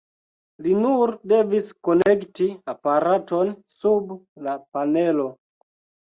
Li nur devis konekti aparaton sub la panelo.